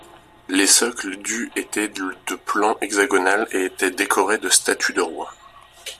Les socles du étaient de plan hexagonal et étaient décorés de statues de rois.